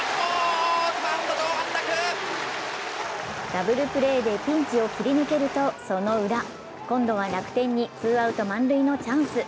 ダブルプレーでピンチを切り抜けるとそのウラ、今度は楽天のツーアウト満塁のチャンス。